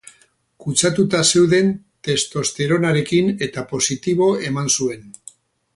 Kutsatuta zeuden testosteronarekin eta positibo eman zuen.